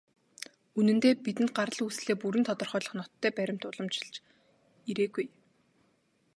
Үнэндээ, бидэнд гарал үүслээ бүрэн тодорхойлох ноттой баримт уламжилж ирээгүй.